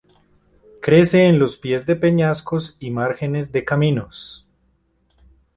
Crece en los pies de peñascos y márgenes de caminos.